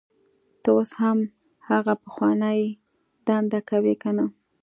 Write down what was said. ته اوس هم هغه پخوانۍ دنده کوې کنه